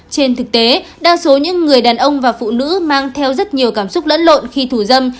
trên thực tế đa số những người đàn ông và phụ nữ mang theo rất nhiều cảm xúc lẫn lộn khi thủ dâm